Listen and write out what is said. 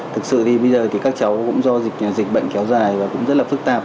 thực sự thì bây giờ thì các cháu cũng do dịch bệnh kéo dài và cũng rất là phức tạp